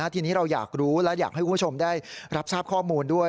ทีนี้เราอยากรู้และอยากให้คุณผู้ชมได้รับทราบข้อมูลด้วย